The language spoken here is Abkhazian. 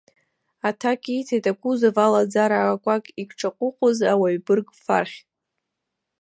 Аҭак ииҭеит, акузов алаӡара акәакь икҿаҟәыҟәыз ауаҩ бырг фархь.